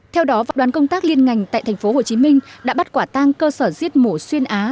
theo đó đoàn công tác liên ngành tại tp hcm đã bắt quả tang cơ sở giết mổ xuyên á